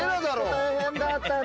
大変だったね。